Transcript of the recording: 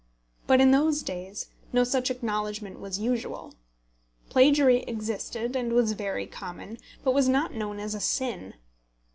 But in those days no such acknowledgment was usual. Plagiary existed, and was very common, but was not known as a sin.